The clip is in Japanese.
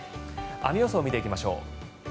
雨予想を見ていきましょう。